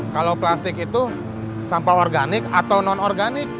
kalau plastik itu sampah organik atau non organik